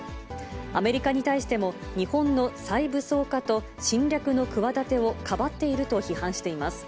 アメリカに対しても、日本の再武装化と、侵略の企てをかばっていると批判しています。